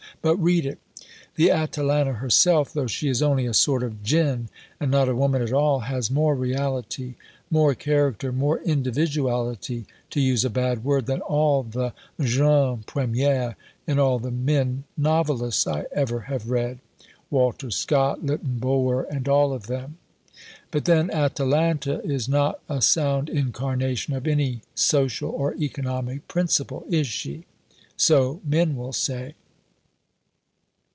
But read it. The Atalanta herself, though she is only a sort of Ginn and not a woman at all, has more reality, more character, more individuality (to use a bad word) than all the jeunes premières in all the men novelists I ever have read Walter Scott, Lytton Bulwer, and all of them. But then Atalanta is not a sound incarnation of any 'social or economic principle' is she? So men will say."